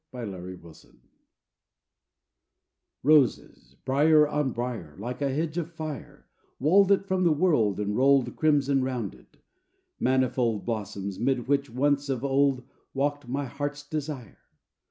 THE LOST GARDEN Roses, brier on brier, Like a hedge of fire, Walled it from the world and rolled Crimson round it; manifold Blossoms, 'mid which once of old Walked my Heart's Desire.